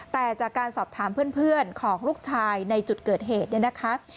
แต่จากการสอบถามเพื่อนของลูกชายในจุดเกิดเหตุเนี่ยนะคะ